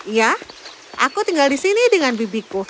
iya aku tinggal di sini dengan bibiku